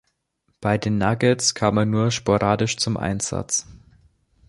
Bei den Nuggets kam er nur sporadisch zum Einsatz.